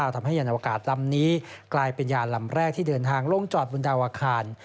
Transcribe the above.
ทำให้ยานวกาศลำนี้กลายเป็นยานลำแรกที่เดินทางลงจอดบนดาวอาคาร